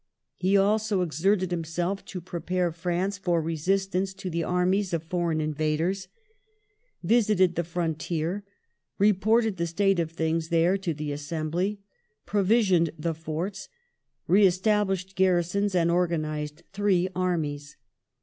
He also exerted himself to prepare France for resistance to the armies of foreign invaders; visited the frontier ; reported the state of things there to the Assembly ; provisioned the forts ; re established garrisons, and organized three armies.